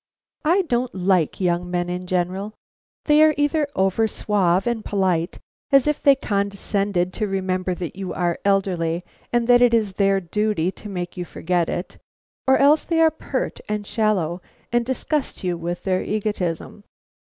I don't like young men in general. They are either over suave and polite, as if they condescended to remember that you are elderly and that it is their duty to make you forget it, or else they are pert and shallow and disgust you with their egotism.